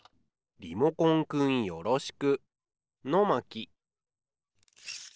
リモコンくんよろしく。